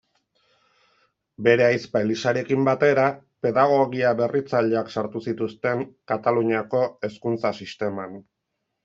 Bere ahizpa Elisarekin batera pedagogia berritzaileak sartu zituzten Kataluniako hezkuntza-sisteman.